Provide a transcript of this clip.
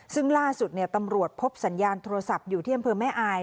ซึ่งล่าสุดตำรวจพบสัญญาณโทรศัพท์อยู่ที่อำเภอแม่อาย